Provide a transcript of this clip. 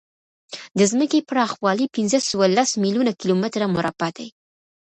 د ځمکې پراخوالی پینځهسوهلس میلیونه کیلومتره مربع دی.